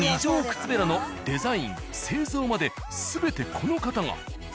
靴べらのデザイン製造まで全てこの方が。